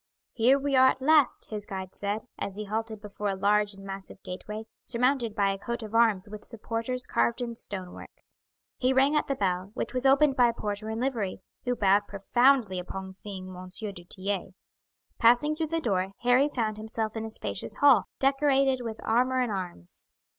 "Here we are at last," his guide said, as he halted before a large and massive gateway, surmounted by a coat of arms with supporters carved in stone work. He rang at the bell, which was opened by a porter in livery, who bowed profoundly upon seeing M. du Tillet. Passing through the doorway, Harry found himself in a spacious hall, decorated with armour and arms.